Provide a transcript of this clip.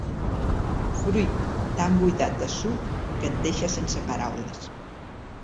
Fruit tan buidat de suc que et deixa sense paraules.